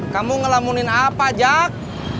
kamu ngelamunin apa jak